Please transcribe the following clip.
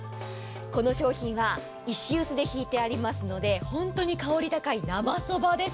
この賞品は石臼でひいてありますので本当に香り高い生そばです。